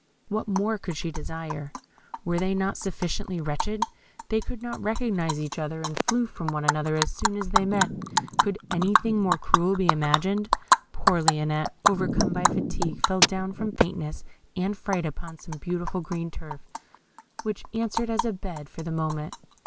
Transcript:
What more could she desire? Were they not sufficiently wretched? They could not recognise each other, and flew from one another as soon as they met. Could anything more cruel be imagined? Poor Lionette, overcome by fatigue, fell down from faintness and fright upon some beautiful green turf, which answered as a bed for the moment.